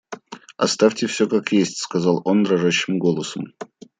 Оставьте всё как есть, — сказал он дрожащим голосом.